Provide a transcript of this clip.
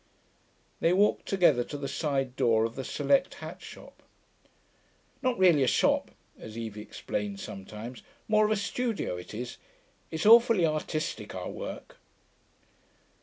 They walked together to the side door of the select hat shop. 'Not really a shop,' as Evie explained sometimes. 'More of a studio, it is. It's awfully artistic, our work.'